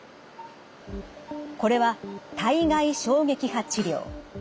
これは体外衝撃波治療。